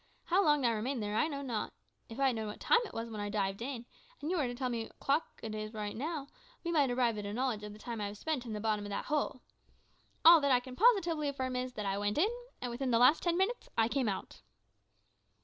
How long I remained there I know not. If I had known what time it was when I dived in, and you were to tell me what o'clock it is now, we might arrive at a knowledge of the time I have spent at the bottom of that hole. All that I can positively affirm is, that I went in, and within in the last ten minutes I came out!"